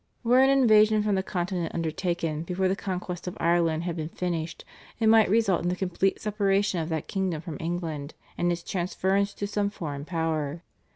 Were an invasion from the Continent undertaken before the conquest of Ireland had been finished it might result in the complete separation of that kingdom from England, and its transference to some foreign power.